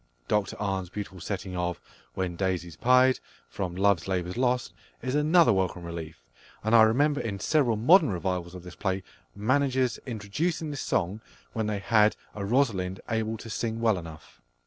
Dr Arne's beautiful setting of "When daisies pied," from Love's Labour's Lost, is another welcome relief, and I remember in several modern revivals of this play managers introducing this song when they had a Rosalind able to sing well enough.